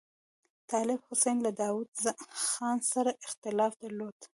طالب حسین له داوود خان سره اختلاف درلود.